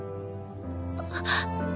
あっ。